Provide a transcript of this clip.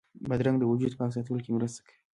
بادرنګ د وجود پاک ساتلو کې مرسته کوي.